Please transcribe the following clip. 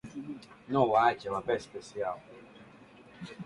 Nchini Uganda ambapo bei ya petroli imeongezeka kufikia dola Mmoja